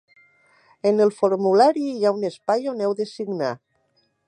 En el formulari hi ha un espai on heu de signar.